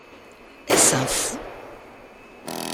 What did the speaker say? Est-ce un fou ?